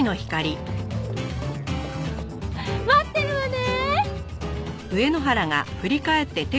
待ってるわね！